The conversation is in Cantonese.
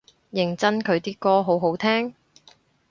認真佢啲歌好好聽？